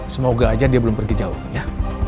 semoga aja dia belum pergi jauh ya